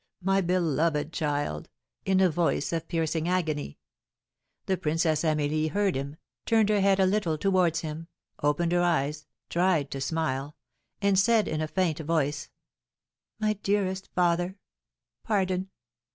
My beloved child!" in a voice of piercing agony. The Princess Amelie heard him, turned her head a little towards him, opened her eyes, tried to smile, and said, in a faint voice, "My dearest father, pardon!